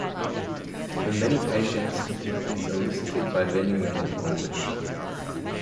In many patients, it is elicited by bending the head forward.